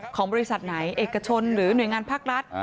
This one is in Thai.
ของบริษัทไหนเอกชนหรือหน่วยงานภาครัฐ